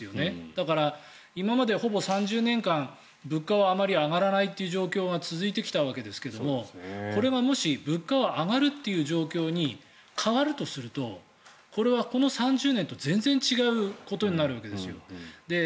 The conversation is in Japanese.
だから今まで、ほぼ３０年間物価はあまり上がらないという状況が続いてきたわけですけどこれがもし、物価が上がるという状況に変わるとするとこれは、この３０年と全然違うことになるわけですよ。